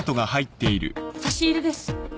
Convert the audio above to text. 差し入れです。